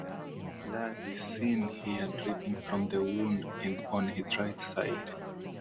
His blood is seen here dripping from the wound on his right side.